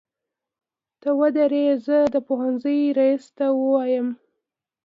ته ودرې زه د پوهنځۍ ريس ته وويمه.